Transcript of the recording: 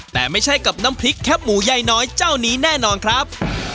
แต่ไม่ใช่กับน้ำพริกแคบหมูยายน้อยเจ้านี้แน่นอนครับ